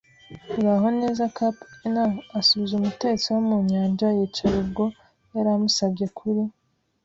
"Uraho, neza, cap'n", asubiza umutetsi wo mu nyanja, yicara ubwo yari amusabye kuri